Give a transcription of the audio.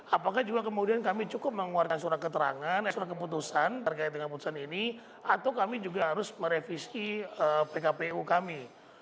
apakah juga kemudian kami cukup mengeluarkan surat keterangan surat keputusan terkait dengan putusan ini atau kami juga harus merevisi pkpu kami